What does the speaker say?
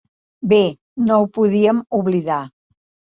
Bé, no ho podíem oblidar.